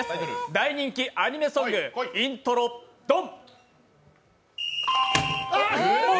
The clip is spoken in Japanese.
大人気アニメソングイントロ・ドン！